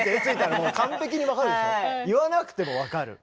言わなくても分かる。